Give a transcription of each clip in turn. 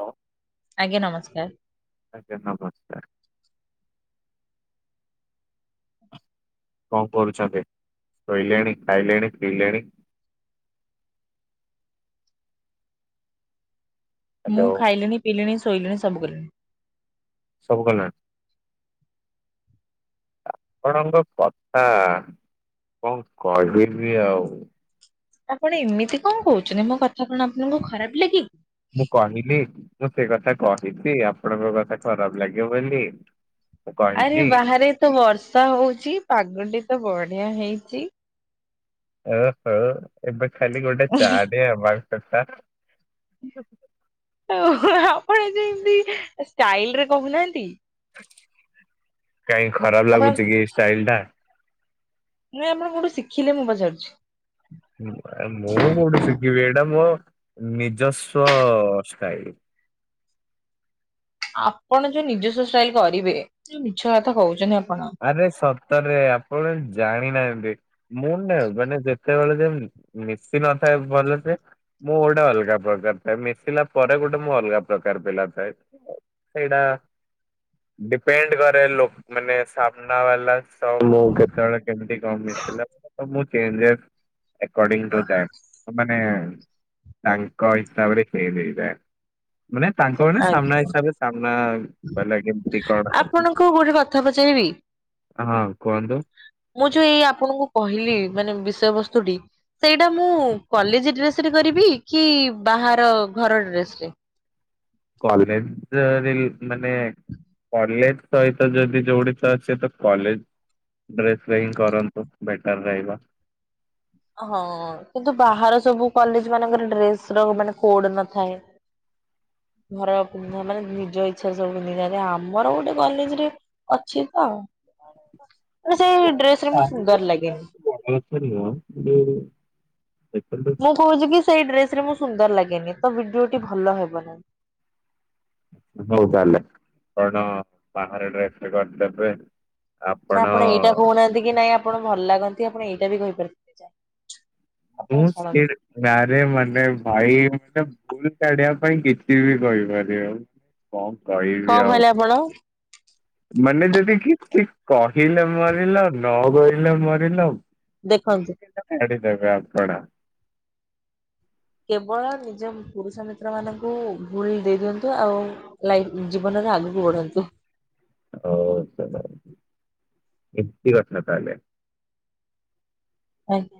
ହ। ଆଜ୍ଞା ନମସ୍କାର। ଆଜ୍ଞ ନମସ୍କାର। କଣ କରୁଛନ୍ତି? ଶୋଇଲେଣି, ଖାଇଲେଣି, ପିଇଲେଣି। ମୁଁ ହ୍ୟାଲୋ। ଖାଇଲିଣି ପିଇଲିଣି ଶୋଇଲିଣି ସବୁ କଲିଣି। ସବୁ କଲେ ଆପଣଙ୍କ କଥା କଣ କହିବି ଆଉ। ଆପଣ ଏମିତି କଣ କହୁଛନ୍ତି ମୋ କଥା କଣ ଆପଣଙ୍କୁ ଖରାପ ଲାଗି ମୁଁ କହିଲି ମୁଁ ସେ କଥା କହିଛି ଆପଣଙ୍କ କଥା ଖରାପ ଲାଗେ ବୋଲି। ମୁଁ ଆରେ କହିଛି ବାହାରେ ତ ବର୍ଷା ହଉଚ ପାଗଟି ତ ବଢିଆ ହେଇଚି। ଓ ହୋ ଏବେ ଖାଲି ଗୋଟେ ଚା ଟେ ହବା ଦକାର। ଆପଣ ଯୋ ଏମିତି ଷ୍ଟାଇଲ ରେ କହୁନାହାନ୍ତି। କାଇଁ ଖରାପ ଆପଣ ଲାଗୁଛି କି ଏ ଷ୍ଟାଇଲ ଟା। ନାଇଁ ଆପଣ କୋଉଠ ଶିଖିଲେ ମୁଁ ପଚାରୁଛି? ମୁଁ କୋଉଠି ଶିଖିବି ଏଇଟା ମୋ ନିଜସ୍ୱ ସ୍ାଇଳ। ଆପଣ ଯୋଉ ନିଜସ୍ୱ ଷ୍ଟାଇଲ କରିବେ ମିଛ କଥା କହୁଛନ୍ତି ଆପଣ। ଆରେ ସତରେ ଆପଣ ଜାଣିନାହାନ୍ତି ମୁଁ ନା ମାନେ ଯେତେବେଳେ ଯେ ମିଶି ନଥାଏ ଭଲ ସେ। ମୁଁ ଗୋଟେ ଅଲଗା ପ୍ରକାର ଥାଏ ମିଶିଲା ପରେ ଗୋଟେ ମୁଁ ଅଲଗା ପ୍ରକାର ପିଲା ଥାଏ। ସେଇଟା ଡିପେଣ୍ଡ କରେ ଲୋ ମାନେ ସାମ୍ନା ବାଲା ସ [unintelligible] କେତେବେଳେ କେମିତି କଣ ମିଳିଲା ତ ମୁଁ ଚେଞ୍ଜେସ୍। ଆକଡିଙ୍ଗ୍ ଟୁ ଟାଇମ୍ ମାନେ ତାଙ୍କ ହିସାବରେ ଫେଲ୍ ହେଇଯାଏ। ମାନେ ତାଙ୍କ ମାନେ ସାମ୍ନା ଆଜ୍ଞା ହିସାବରେ ସାମ୍ନା କହିଲା କେମତି କଣ ଅଛି। କୋଉ ଗୋଟେ କଥା ପଚାରିବି? ହଁ କୁହନ୍ତୁ। ମୁଁ ଯୋଉ ଏଇ ଆପଣଙ୍କୁ କହିଲି ମାନେ ବିଷୟ ବସ୍ତୁଟି ସେଇଟା ମୁଁ କଲେଜ ଡ୍ରେସ ରେ କରିବି କି ବାହାର ଘର ଡ୍ରେସ ରେ। କଲେଜ ରିଲ୍ ମାନେ କଲେଜ ସହିତ ଯଦି ଯୋଉଠି ତ ଅଛେ ତ କଲେଜ ଡ୍ରେସ୍ ରେ ହିଁ କରନ୍ତୁ ବେଟର ରହିବ। ହଁ କିନ୍ତୁ ବାହାର ସବୁ କଲେଜ ମାନଙ୍କରେ ଡ୍ରେସ ର ମାନେ କୋଡ ନଥାଏ। ଘର ପିନ୍ଧା ମାନେ ନିଜ ଇଚ୍ଛା ସବୁ ପିନ୍ଧିକି ଯାଆନ୍ତି। ଆମର ଗୋଟେ କଲେଜ ରେ ଅଛି ତ ମାନେ ସେଇ ଡ୍ରେସ ରେ ମୁଁ ସୁନ୍ଦର ଲାଗେନି। ହେଲା ଯୋଉ [unintelligible] ମୁଁ କହୁଚି କି ସେଇ ଡ୍ରେସ ରେ ମୁଁ ସୁନ୍ଦର ଲାଗେନି ତ ଭିଡିଓଟି ଭଲ ହେବ ନାହିଁ। ହଉ ତାହେଲେ କଣ ବାହାରେ ଡ୍ରେସ୍ ଟେ କରିଦେବେ। କଣ ଆପଣ ଏଇଟା କହୁନାହାନ୍ତି କି ନାଇଁ ଆପଣ ଭଲ ଲାଗନ୍ତି ଆପଣ ଏଇଟା ବି କହିପାରି [inaudible] ମୁଁ ଛାଡ଼ନ୍ତୁ ସ୍କିଡ୍। ନାରେ ମାନେ ଭାଇ ମାନେ ଭୁଲ କାଢିବା ପାଇଁ କିଛି ବି କହିପାରିବେ ଆଉ। କଣ କହିବି କଣ ଆଉ। କହିଲେ ଆପଣ? ମାନେ ଯଦି କି କି କହିଲେ ମରିଲ ନ କହିଲେ ମରିଲ। ଦେଖନ୍ତୁ ଭୁଲ୍ କେତୋଟି? କେବଳ ନିଜ ପୁରୁଷ ମିତ୍ର ମାନଙ୍କୁ ଭୁଲ ଦେଇ ଦିଅନ୍ତୁ ଆଉ [unintelligible] ଜୀବନରେ ଆଗକୁ ବଢନ୍ତୁ। [unintelligible] ଆଜ୍ଞା।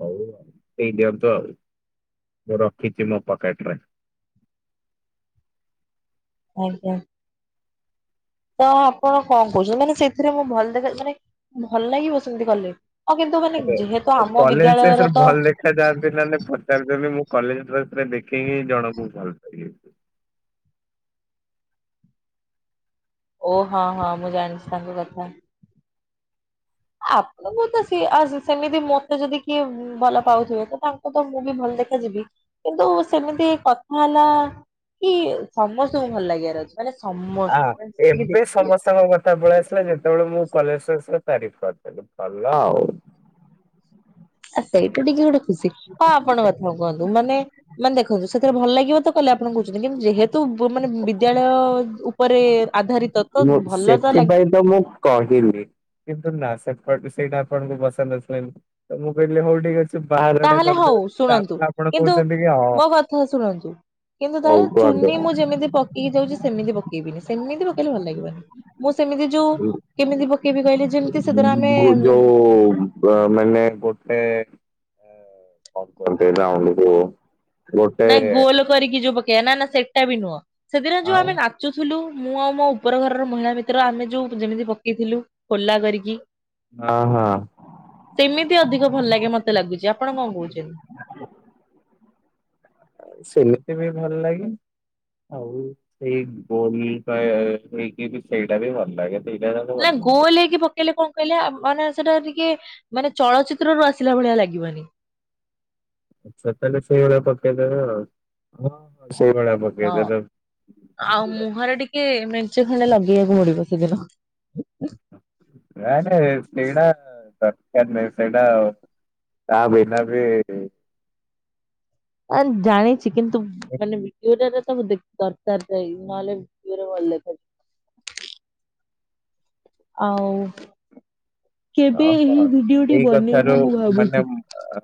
ହଉ ଆଉ ଏଇଟା ତ ମୁଁ ରଖିଚି ମୋ ପକେଟ ରେ। ଆଜ୍ଞା। ତ ଆପଣ କଣ କହୁଛନ୍ତି ମାନେ ସେଥିରେ ମୁଁ ଭଲ ଦେଖ ମାନେ ଭଲ ଲାଗିବ ସେମିତି କଲେ। ହଁ କିନ୍ତୁ ମାନେ ଯେହେତୁ ଆମ ବିଦ୍ୟାଳୟର ତ ଏ ଯାଆନ୍ତି ମାନେ ପଚାରିଦେଲେ ମୁଁ କଲେଜ ଡ୍ରେସ ରେ ଦେଖେଇହେଇକି ଜଣକୁ ଭଲ ପାଇଲି। ଓ ହଁ ହଁ ମୁଁ ଜାଣିଚି ତାଙ୍କ କଥା। ଆପଣଙ୍କୁ ତ ସିଏ ଆ ସେମିତି ମୋତେ ଯଦି କିଏ ଉମ୍ ଭଲ ପାଉଥିବ ତ ତାଙ୍କୁ ତ ମୁଁ ବି ଭଲ ଦେଖା ଯିବି କିନ୍ତୁ ସେମିତି କଥା ହେଲା କି ସମସ୍ତଙ୍କୁ ଭଲ ଲାଗିବାର ଅଛି ମାନେ ଆ ସମସ୍ତଙ୍କୁ ମାନେ ଯେତିକି ଏବେ ଦେଖିବେ। [unintelligible] ପଳେଇ ଆସିଲା ଯେତେବେଳେ ମୁଁ କଲେଜରେ [unintelligible] ଆସିଲା ତାରିଫ୍ କରିଦେଲି ଭଲ ଆଉ। ଆ ସେଇଟା ଟିକେ ଗୋଟେ ଖୁସି ହଁ ଆପଣ ଏଥର କୁହନ୍ତୁ ମାନେ ମାନେ ଦେଖନ୍ତୁ ସେଥିରେ ଭଲ ଲାଗିବ ତ କଲେ ଆପଣ କହୁଚନ୍ତି କିନ୍ତୁ ଯେହେତୁ ବୁଁ ମାନେ ବିଦ୍ୟାଳୟ ଉପରେ ଆଧାରିତ ତ ମୁଁ ଭଲ ଲାଗି ସେଥିପାଇଁ ତ ମୁଁ କହିଲି କିନ୍ତୁ ନା ସେପଟ ସେଇଟା ଆପଣଙ୍କୁ ପସନ୍ଦ ଆସିଲାନି ତ ମୁଁ କହିଲି ହଉ ଠିକ ଅଛି। କ ତାହେଲେ ହଉ ଶୁଣନ୍ତୁ କିନ୍ତୁ କହୁଛନ୍ତି କି ହଁ ମୋ କଥା ଶୁଣନ୍ତୁ। କିନ୍ତୁ ହଉ ତାର ଚୁନି ମୁଁ କୁହନ୍ତୁ। ଯେମିତି ପକେଇକି ଯାଉଚି ସେମିତି ପକେଇବିନି ସେମିତି ପକେଇଲେ ଭଲ ଲାଗିବନି। ମୁଁ ସେମିତି ଯୋଉ କେମିତି ପକେଇବି କହିଲେ ଯେମିତି ସେଦିନ ଆମେ ଓଉମ୍ ଓ ବ ମନେ ଗୋଟେ କଣ କରଥିଲା ଆଣୁ ନାଇଁ ଗୋଲ କରିକି ଯୋଉ ପକେଇବା ନା ନା ସେଇଟା ବି ନୁହଁ ସେଦିନ ଯୋଉ ଆଉ ଆମେ ଚୁଥିଲୁ ମୁଁ ଆଉ ମୋ ଉପର ଘରର ମହିଳା ମିତ୍ର ଆମେ ଯୋଉ ଯେମିତି ପକେଇଥିଲୁ ଖୋଲା କରିକି। ହଁ ହଁ। ସେମିତି ଅଧିକ ଭଲ ଲାଗେ ମତେ ଲାଗୁଛି ଆପଣ କଣ କହୁଛନ୍ତି? ସେିଲିତି ବି ଭଲ ଲାଗେ। ଆଉ ସେଇ ଗୋଲ ନେଇକି ସେଇଟା ବି ଭଲ ଲାଗେ ସେଇଟା ତା ଭଲ ଲାଗ। [unintelligible] କହିଲେ କଣ କହିଲେ ମାନେ ସେଟା ଟିକେ ମାନେ ଚଳଚିତ୍ର ରୁ ଆସିଲା ଭଳିଆ ଲାଗିବନି। ତାହେଲେ ସେଇଭଳିଆ ପକେଇଦବା ଆଉ ହଁ ସେଇଭଳିଆ ହଁ ପକେଇଦେବେ ଆଉ ଭଲ ମୁହଁରେ ଟିକେ ମେଞ୍ଚ ଖଣ୍ଡେ ଲଗେଇବାକୁ ପଡିବ ସେଦିନ। ସେଇଟା ଦରକାର ନାଇ ସେଇଟା ତା ଭିନା ବି ଆରେ ଜାଣିଛି କିନ୍ତୁ ମାନେ ଭିଡିଓରେ ତ ମୁ ଦେଖ ଦରକାର ନାହିଁ ନହେଲେ। [unintelligible] ଆଉ କେବେ ଓହୋ ଏହି ଭିଡିଓଟି ବନେଇବ ମୁଁ ଭାବୁଛି। ଅ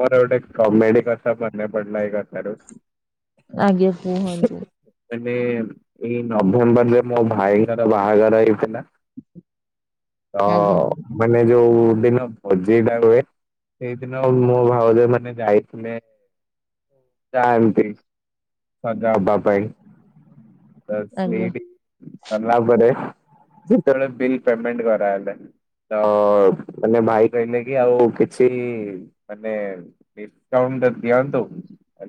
ମୋର ଗୋଟେ କମେଡି କଥା ମନେ ପଡିଲା ଏ କଥାରୁ। ଆଜ୍ଞା କୁହନ୍ତୁ। ମାନେ ଏଇ ନଭେମ୍ବରରେ ମୋ ଭାଇଙ୍କର ବାହାଘର ହେଇଥିଲା। ତ ଆଜ୍ଞା ମାନେ ଯୋଉ ଦିନ ଭୋଜିଟା ହୁଏ। ସେଇଦିନ ମୋ ଭାଉଜ ମାନେ ଯାଇଥିଲେ [unintelligible] ସଜ ହେବା ପାଇଁ ତ ଆଜ୍ଞା ସେଇଠି ଗଲା ପରେ ସେତେବେଳେ ବିଲ୍ ପେମେଣ୍ଟ କରାଗଲା। ତ ମାନେ ଭାଇ କହିଲେ କି ଆଉ କିଛି ମାନେ ଡିସକାଉଣ୍ଟ ଟା ଦିଅନ୍ତୁ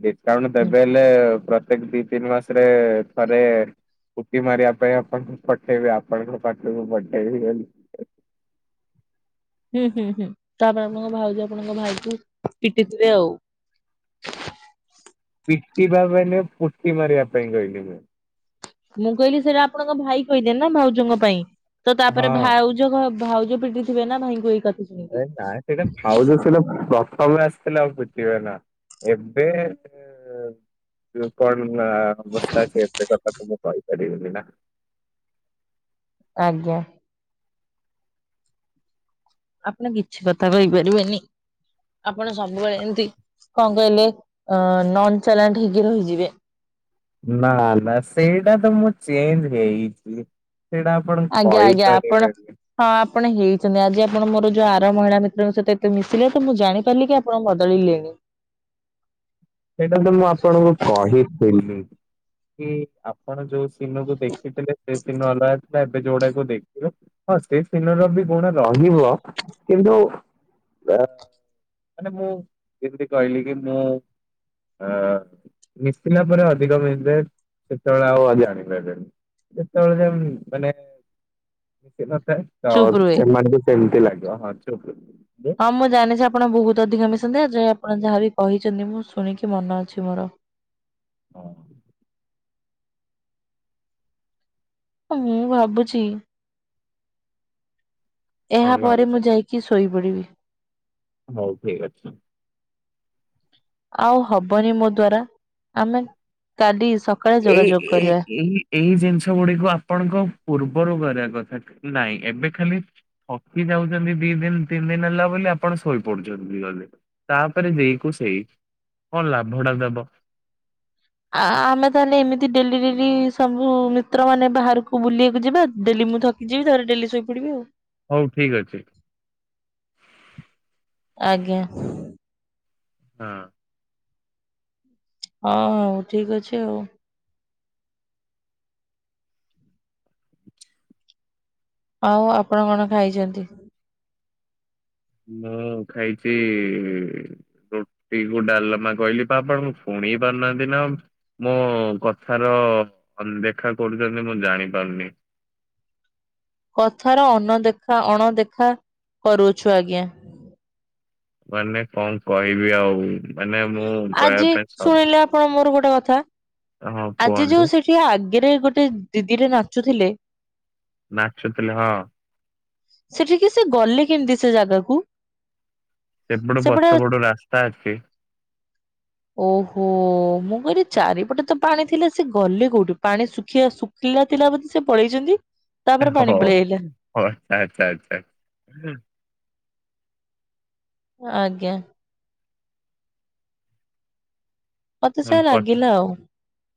ଡିସକାଉଣ୍ଟ ଦେବେ ହେଲେ ପ୍ରତ୍ୟେକ ଦି ତିନି ମାସରେ ଥରେ [unintelligible] ମାରିବା ପାଇଁ ଆପଣଙ୍କୁ ପଠେଇବ ଆପଣଙ୍କ ପାଖକୁ ପଠେଇବ ବୋଲି ହୁଁ ହୁଁ ହୁଁ। ତାପରେ ଆପଣଙ୍କ ଭାଉଜ ଆପଣଙ୍କ ଭାଇଙ୍କୁ ପିଟି ଥିଲେ ଆଉ ପିଟିବା ମାନେ ପୋଟିି ମାରିବା ପାଇଁ କହିଲେ। ମୁଁ କହିଲି ସେଇଟା ଆପଣଙ୍କ ଭାଇ କହିଥୀଏ ନା ଭାଉଜଙ୍କ ପାଇଁ ତ ହଁ ତାପରେ ଭାଉ ଜ ଭାଉଜ ପିଟି ଥିବେ ନା ଭାଇଙ୍କୁ ଏଇ କଥା ଶୁଣି। ଏ ନାଇଁ ସେଇଟା ଭାଉଜ ସେଟା ପ୍ରଥମେ ଆସିଥିଲେ ପିଟିବେ ନା। ଏବେ ଏ ଏବେ କଣ ନା ଅବସ୍ଥା ଅଛି ଏତେ କଥା ତ ମୁଁ କହିପାରିବିନି ନା। ଆଜ୍ଞା। ଆପଣ କିଛି କଥା କହିପାରିବେନି। ଆପଣ ସବୁବେଳେ ଏମତି କଣ କହିଲେ ଅ ନନ୍ ଚାଲାଣ୍ଟ ହେଇକି ରହିଯିବେ। ନା ନା ସେଇଟା ତ ମୁଁ ଚେଞ୍ଜ ହେଇଛି ସେଇଟା ଆପଣ ଆଜ୍ଞା ଆଜ୍ଞା ଆପଣ କହିପାରିବେନି। ହଁ ଆପଣ ହେଇଛନ୍ତି ଆଜି। ଆପଣ ମୋର ଯୋଉ ଆର ମହିଳା ମିତ୍ରଙ୍କ ସହିତ ଏତେ ମିଶିଲେ ତ ମୁଁ ଜାଣିପାରିଲି କି ଆପ୍ ପଣ ବଦଳିଲେଣି। [inaudible] ସେଇଟା ତ ମୁଁ ଆପଣଙ୍କୁ କହିଥିଲି କି ଆପଣ ଯୋଉ ଦିନକୁ ଦେଖିଥିଲେ ସେ ଦିନ ଅଲଗା ଥିଲା ଏବେ ଯୋଉଡାକୁ ଦେଖିଲ ହଁ ସେ ଦିନ ର ବି କଣ ରହିବ କିନ୍ତୁ ଅ ମାନେ ମୁଁ ଯେମିତି କହିଲି କି ମୁଁ ଅ ମିଶିଲା ପରେ ଅଧିକ ମିଶେ ସେତେବେଳେ ଆଉ ଜାଣି ପାରେନି। ଯେତେବେଳେ ଏମ୍ ମାନେ ସେଟା ଥାଏ। ତ ଚୁପ୍ ରୁହେ। ସେମାନଙ୍କୁ ସେମିତି ଲାଗିବ ହଁ ଚୁପ୍ ହଁ ମୁଁ ଜାଣିଛି ଆପଣ ବହୁତ ଅଧିକା ମିଶନ୍ତି ଆଜା ଆପଣ ଯାହା ବିି କହିଛନ୍ତି ମୁଁ ଶୁଣିକି ମନ ଅଛି ମୋର। ହଁ। ମୁଁ ଭାବୁଛି ଏହା କଣ ପରେ ଭାବୁଛ ମୁଁ ଯାଇକି ଶୋଇପଡିବି। ହଉ ଠିକ୍ ଅଛି। ଆଉ ହବନି ମୋ ଦ୍ଵାରା ଆମେ କାଲି ସକାଳେ ଏଇ ଯୋଗାଯୋଗ ଏଇ କରିବା। ଏଇ ଏଇ ଜିନିଷ ଗୁଡିକୁ ଆପଣଙ୍କ ପୂର୍ବରୁ କରିବା କଥା ନାଇଁ ଏବେ ଖାଲି ଥକି ଯାଉଛନ୍ତି ଦି ଦିନ୍ ତିନ୍ ଦିନ୍ ହେଲା ବୋଲି ଆପଣ ଶୋଇପଡୁଛନ୍ତି ଜଲ୍ଦି। ତାପରେ ଯେଇକୁ ସେଇ କଣ ଲାଭ ଟା ଦବ? ଆ ଆମେ ତାହେଲେ ଏମିତି ଡେଲି ଡେଲି ସବୁ ମିତ୍ର ମାନେ ବାହାରକୁ ବୁଲିବାକୁ ଯିବା ଡେଲି ମୁଁ ଥ କି ଯିବି ତାପରେ ଡେଲି ଶୋଇପଡ଼ିବି ଆଉ। ହଉ ଠିକ୍ ଅଛି। ଆଜ୍ଞା। ହଁ। ହଁ ହଉ ଠିକ ଅଛି ଆଉ। ଆଉ ଆପଣ କଣ ଖାଇଛନ୍ତି? ମୁଁ ଖାଇଛି ରୁଟିକୁ ଡାଲମା କହିଲି ପା ଆପଣଙ୍କୁ ଶୁଣି ପାରୁନାହାନ୍ତି ନା ମୋ କଥାର ଅନଦେଖା କରୁଛନ୍ତି ମୁଁ ଜାଣିପାରୁନି। କଥାର ଅନଦେଖା ଅଣଦେଖା କରୁଛୁ ଆଜ୍ଞା। ମାନେ କଣ କହିବି ଆଉ। ମାନେ ମୁଁ କହିବା ଆଜି ପାଇଁ ସ ଶୁଣିଲେ ଆପଣ ମୋର ଗୋଟେ କଥା ହଁ ଆଜି କୁହନ୍ତୁ ଯୋଉ ସେଠି ଠି ଆଗରେ ଗୋଟେ ଦିଦିଟେ ନାଚୁଥିଲେ ନାଚୁଥିଲେ ହଁ। ସେଠିକି ସେ ଗଲେ କେମିତି ସେ ଜାଗାକୁ? ସେପଟେ ପଛ ପଟୁ ରାସ୍ତା ଅଛି। ଓହୋ ମୁଁ କହିଲି ଚାରିପଟେ ତ ପାଣି ଥିଲା ସେ ଗଲେ କୋଉଠି ପାଣି ଶୁଖିବା ସୁଖ ଖିଲା ଥିଲା ବୋଧ ସେ ପଳେଇଛନ୍ତି ତାପରେ ହଁ ପାଣି ପଳେଆଇଲା। ହଁ ଆଛା ଆଛା ଆଛା। ଆଜ୍ଞା। ମତେ ସେୟା ଲାଗିଲା ଆଉ। [unintelligible]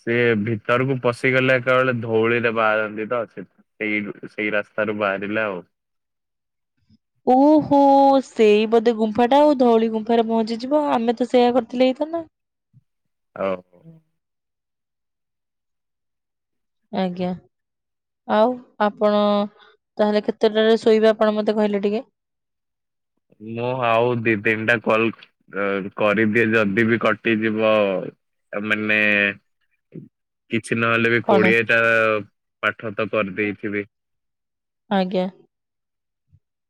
ସିଏ ଭିତରକୁ ପଶିଗଲେ ଏକାବେଳେ ଧଉଳିରେ ବାହାରନ୍ତି ତ ସେଥି ସେଇ ରୁ ସେଇ ରାସ୍ତାରୁ ବାହାରିଲା ଆଉ। ଓହୋ ସେଇ ବୋଧେ ଗୁମ୍ଫା ଟା ଆଉ ଧଉଳି ଗୁମ୍ଫାରେ ପହଞ୍ଚିଯିବ ଆମେ ତ ସେଇୟା କରିଥିଲେ ହେଇଥାନ୍ତା। ଓ ଆଜ୍ଞା। ଆଉ ଆପଣ ତାହେଲେ କେତେଟାରେ ଶୋଇବେ ଆପଣ ମତେ କହିଲେ ଟିକେ? ମୁଁ ଆଉ ଦି ତିନିଟା କଲ ଅ କରିଦିଏ ଯଦି ବି କଟିଯିବ ମାନେ କିଛି ନହେଲେ ବି କଣ? କୋଡିଏ ଟା ପାଠ ତ କରିଦେଇଥିବି। ଆଜ୍ଞା।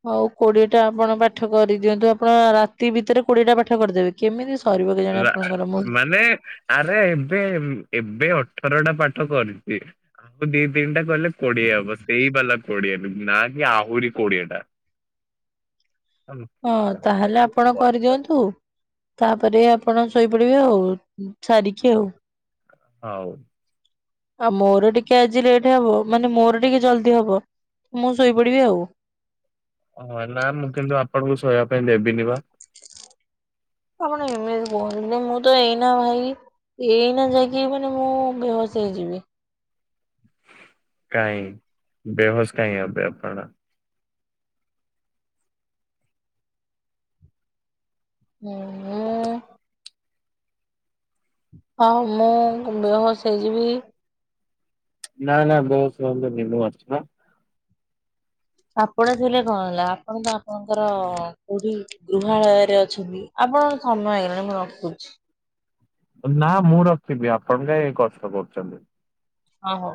ହଉ କୋଡିଏଟା ଆପଣ ପାଠ କରିଦିଅନ୍ତୁ। ଆପଣ ରାତି ଭିତରେ କୋଡିଏଟା ପାଠ କରିଦେବେ? କେମିତି ସରିବ କେଜାଣି ଆପଣଙ୍କର ମୁଁ ମେ ଆରେ ଏବେ ଏବେ ଅଠରଟା ପାଠ କରିଛି ଆଉ ଦି ତିନିଟା କଲେ କୋଡିଏ ହବ ସେଇ ହେଲା କୋଡିଏ ନା କି ଆହୁରି କୋଡିଏଟା। ହଁ ତାହେଲେ ଆପଣ କରିଦିଅନ୍ତୁ। ତାପରେ ଆପଣ ଶୋଇପଡିବେ ଆଉ ସାରିକି ଆଉ। ହଉ। ଆଉ ମୋର ଟିକେ ଆଜି ଲେଟ୍ ହବ। ମାନେ ମୋର ଟିକେ ଜଲଦି ହବ ମୁଁ ଶୋଇପଡିବି ଆଉ। ଓହୋ। ନାଁ ମୁଁ କିନ୍ତୁ ଆପଣଙ୍କୁ ଶୋଇବା ପାଇଁ ଦେବିନି ବା। ଆପଣ ଏମିତି କୁହନ୍ତୁନି। ମୁଁ ତ ଏଇନା ଭାଇ ଏଇନା ଯାଇକି ମାନେ ମୁଁ ବେହୋସ ହେଇ ଯିବି। କାଇଁ ବେହୋସ କାଇଁ ଅବେ ଆପଣ? ହୁଁ ହଁ ମୁଁ ବେହୋସ ହେଇଯିବି। ନା ନା ବେହୋସ ହବନି ମୁଁ ଆଛି ବା। ଆପଣ ଥିଲେ କଣ ହେଲା ଆପଣ ତ ଆପଣଙ୍କର କୋଉଠି ଗୃହାଳୟରେ ଅଛନ୍ତି। ଆପଣଙ୍କର ସମୟ ହେଇଗଲାଣି ମୁଁ ରଖୁଛି। ନା ମୁଁ ରଖିବି ଆପଣ କାଇଁ କଷ୍ଟ କରୁଛନ୍ତି। ଓ ହଉ।